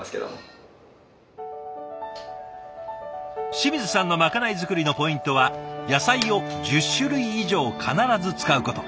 清水さんのまかない作りのポイントは野菜を１０種類以上必ず使うこと。